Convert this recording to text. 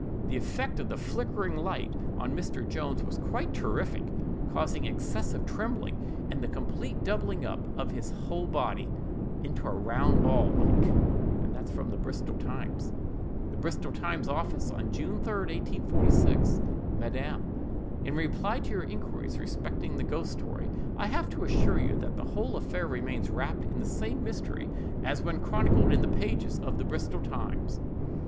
The effect of the 'flickering light' on Mr. Jones was quite terrific, causing excessive trembling, and the complete doubling up of his whole body into a round ball, like."—Bristol Times. "BRISTOL TIMES OFFICE, June 3, 1846. "MADAM: In reply to your inquiries respecting the ghost story, I have to assure you that the whole affair remains wrapped in the same mystery as when chronicled in the pages of the Bristol Times.